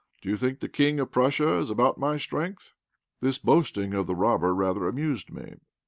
Do you think the King of Prussia is about my strength?" This boasting of the robber rather amused me.